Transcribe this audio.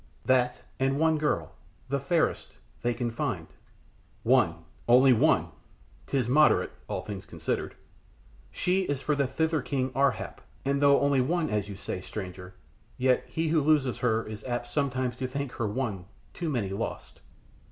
"That and one girl the fairest they can find." "One only one! 'Tis very moderate, all things considered." "She is for the thither king, Ar hap, and though only one as you say, stranger, yet he who loses her is apt sometimes to think her one too many lost."